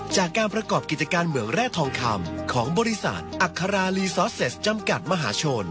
จากการประกอบกิจการเมืองแร่ทองคำของบริษัทอัคราลีซอสเซสจำกัดมหาชน